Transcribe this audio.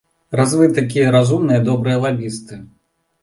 Раз вы такія разумныя добрыя лабісты!